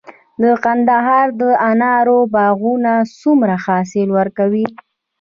د کندهار د انارو باغونه څومره حاصل ورکوي؟